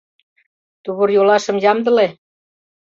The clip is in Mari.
Тувыр-йолашым ямдыле.